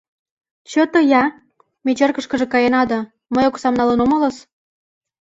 Чыте-я, ме черкышкыже каена да, мый оксам налын омылыс...